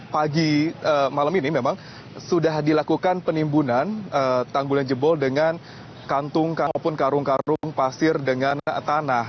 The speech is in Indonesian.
pagi malam ini memang sudah dilakukan penimbunan tanggul yang jebol dengan karung karung pasir dengan tanah